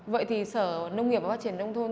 vậy thì sở nông nghiệp và phát triển nông thôn